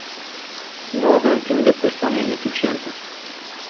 Nu avem timp de persoane ineficiente.